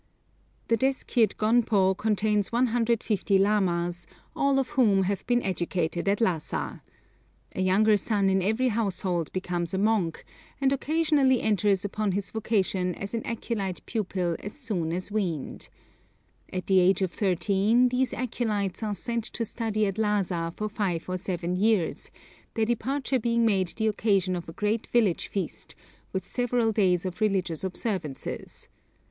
The Deskyid gonpo contains 150 lamas, all of whom have been educated at Lhassa. A younger son in every household becomes a monk, and occasionally enters upon his vocation as an acolyte pupil as soon as weaned. At the age of thirteen these acolytes are sent to study at Lhassa for five or seven years, their departure being made the occasion of a great village feast, with several days of religious observances.